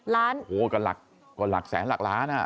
ล้านโอ้โฮก็หลักแสนหลักล้านอ่ะ